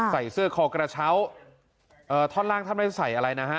ใส่เสื้อคอกระเช้าท่อนล่างท่านไม่ได้ใส่อะไรนะฮะ